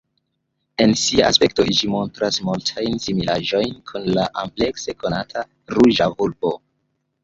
En sia aspekto ĝi montras multajn similaĵojn kun la amplekse konata Ruĝa vulpo.